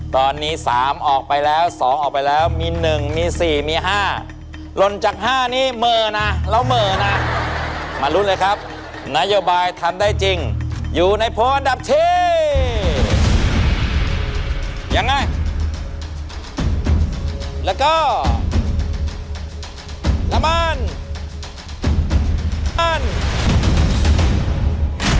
ตอนนี้สามออกไปแล้วสองออกไปแล้วมีหนึ่งมีสี่มีห้าหล่นจากห้านี้เหมือน่ะเราเหมือน่ะมารุ้นเลยครับนโยบายทำได้จริงอยู่ในโพสต์อันดับที่ยังไงแล้วก็ละมันอันดับหนึ่งครับผม